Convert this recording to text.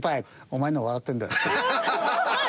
「お前のは笑ってるんだよ」。